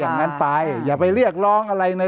แท้กรณีตรฝ่ายอย่างนั้นไปอย่าไปเรียกร้องอะไรในลักษณะที่